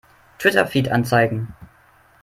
Twitter-Feed anzeigen!